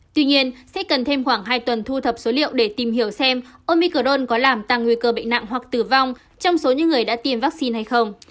tuy nhiên sẽ cần thêm khoảng hai tuần thu thập số liệu để tìm hiểu xem omicdon có làm tăng nguy cơ bệnh nặng hoặc tử vong trong số những người đã tiêm vaccine hay không